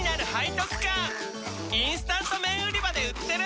チキンかじり虫インスタント麺売り場で売ってる！